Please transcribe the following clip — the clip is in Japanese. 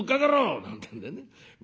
なんてえんでね水